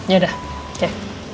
ya udah oke